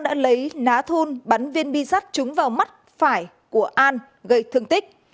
khuôn bắn viên bi sắt trúng vào mắt phải của an gây thương tích